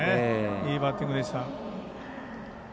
いいバッティングでした。